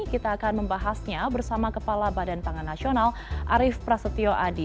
kita akan membahasnya bersama kepala badan pangan nasional arief prasetyo adi